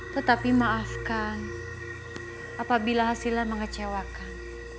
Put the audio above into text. tetapi maafkan apabila hasilnya mengecewakan